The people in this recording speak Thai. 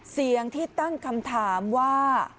เสียงที่ตั้งคำถามว่า